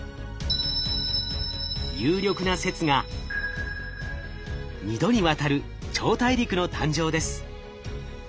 有力な説が２度にわたる超大陸の誕生です。